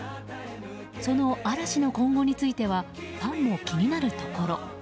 その嵐の今後についてはファンも気になるところ。